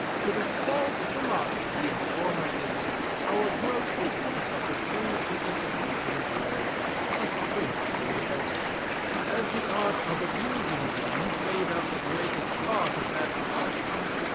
To the false philosophy of former ages, our gross ignorance of the true signification of words is principally owing; as the art of abusing them made up the greatest part of that philosophy.